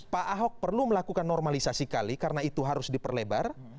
pak ahok perlu melakukan normalisasi kali karena itu harus diperlebar